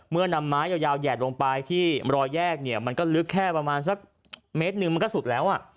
นำไม้ยาวแห่ลงไปที่รอยแยกเนี่ยมันก็ลึกแค่ประมาณสักเมตรหนึ่งมันก็สุดแล้ว